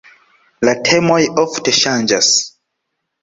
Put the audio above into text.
La temoj ofte ŝanĝas.